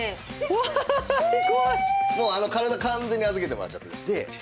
もう体完全に預けてもらって。